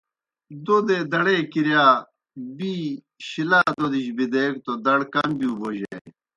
دوْدے دڑے کِرِیا بِی شِلا دوْدِجیْ بِدیگہ توْ دَڑ کم بِیؤ بوجانیْ۔